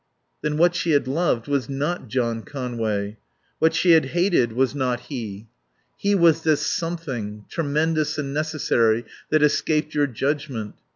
Then what she had loved was not John Conway. What she had hated was not he. He was this Something, tremendous and necessary, that escaped your judgment.